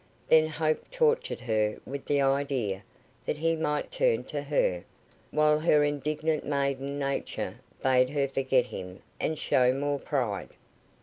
Then hope tortured her with the idea that he might turn to her, while her indignant maiden nature bade her forget him and show more pride.